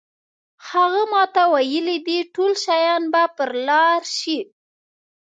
هغه ماته ویلي دي ټول شیان به پر لار شي.